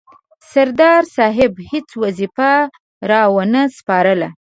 سردار صاحب هیڅ وظیفه را ونه سپارله.